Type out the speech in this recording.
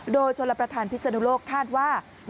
โดยชลประธานพิศนุโลกคาดว่า